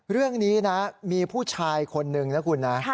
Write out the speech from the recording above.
เรื่องนี้นะมีผู้ชายคนหนึ่งนะคุณนะ